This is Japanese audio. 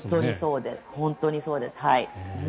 本当にそうです。